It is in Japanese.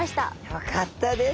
よかったです。